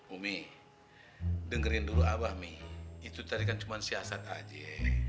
umi dengerin dulu abah mie itu tadi kan cuma siasat aja